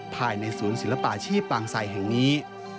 ภายในศูนย์ศิลปาชีพบางไซแห่งนี้